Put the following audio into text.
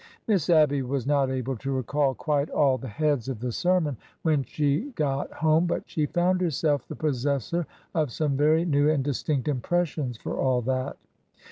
Miss Abby was not able to recall quite all the heads of the sermon when she got home, but she found herself the possessor of some very new and distinct impressions, for all that.